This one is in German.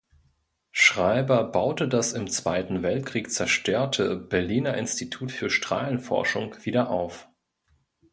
Schreiber baute das im Zweiten Weltkrieg zerstörte Berliner Institut für Strahlenforschung wieder auf.